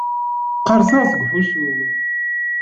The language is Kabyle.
Qqerṣeɣ seg uḥuccu.